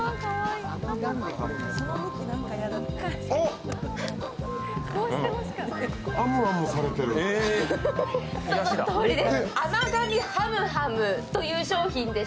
そのとおりです。